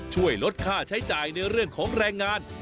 ช่วยลดค่าใช้จ่ายในเรื่องของแรงงาน